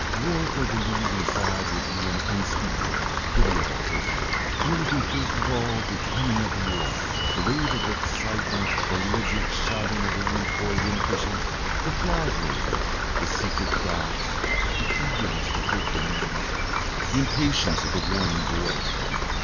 War for the losing side will be an unspeakable pitiable business. There will be first of all the coming of the war, the wave of excitement, the belligerent shouting of the unemployed inefficients, the flag waving, the secret doubts, the eagerness for hopeful news, the impatience of the warning voice.